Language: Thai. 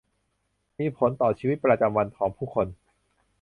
มีผลต่อชีวิตประจำวันของผู้คน